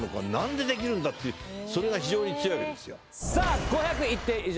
それが非常に強いわけですよ。